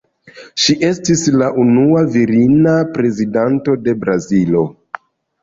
Ŝi estis la unua virina Prezidanto de Brazilo.